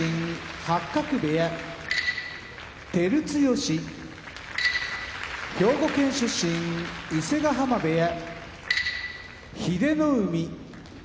八角部屋照強兵庫県出身伊勢ヶ濱部屋英乃海